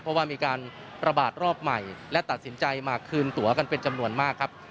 เพราะว่ามีการระบาดรอบใหม่และตัดสินใจมาคืนตัวกันเป็นจำนวนมากครับ